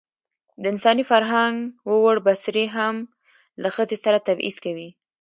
د انساني فرهنګ ووړ بڅرى هم له ښځې سره تبعيض کوي.